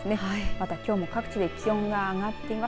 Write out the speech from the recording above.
またきょうも各地で気温が上がっています。